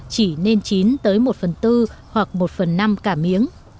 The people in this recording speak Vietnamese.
chỉ nên chín tới một phần tư hoặc một phần lớn